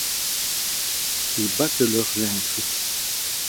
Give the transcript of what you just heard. Qui battent leur linge